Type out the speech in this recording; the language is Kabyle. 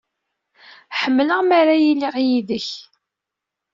Ḥemmleɣ mi ara iliɣ yid-k.